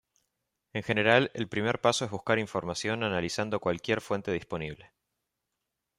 En general, el primer paso es buscar información analizando cualquier fuente disponible.